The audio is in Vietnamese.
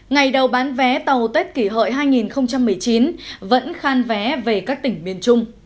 ngày đầu bán vé tàu tết kỷ hợi hai nghìn một mươi chín vẫn khan vé về các tỉnh miền trung